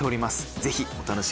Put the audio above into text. ぜひお楽しみに。